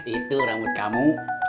itu rambut kamu